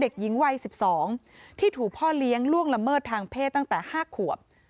เด็กหญิงวัย๑๒ที่ถูกพ่อเลี้ยงล่วงละเมิดทางเพศตั้งแต่๕ขวบ